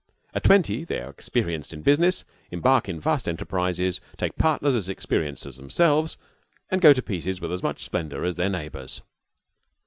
At twenty they are experienced in business, embark in vast enterprises, take partners as experienced as themselves, and go to pieces with as much splendor as their neighbors.